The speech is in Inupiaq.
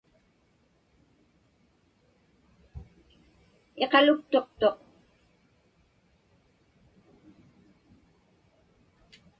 Iqaluktuqtuq.